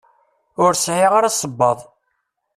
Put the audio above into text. Ur sɛiɣ ara sebbaḍ.